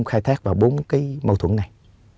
khai thác vào bốn cái mâu thuẫn này